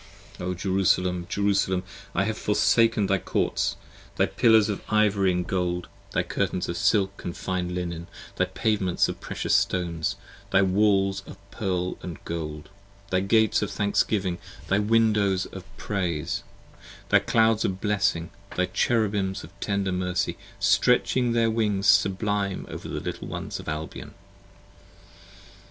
O Jerusalem, Jerusalem, I have forsaken thy Courts, Thy Pillars of ivory & gold: thy Curtains of silk & fine 25 E Linen: thy Pavements of precious stones: thy Walls of pearl 20 And gold, thy Gates of Thanksgiving, thy Windows of Praise: Thy Clouds of Blessing, thy Cherubims of Tender mercy Stretching their Wings sublime over the Little ones of Albion!